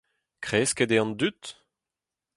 Kresket eo an dud ?